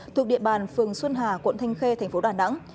thuộc địa bàn phường xuân hà quận thanh khê thành phố đà nẵng